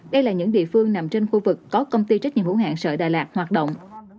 đây là những địa phương nằm trên khu vực có công ty trách nhiệm hữu hạng sợi đà lạt hoạt động